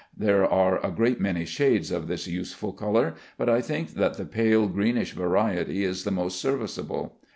There are a great many shades of this useful color, but I think that the pale greenish variety is the most serviceable.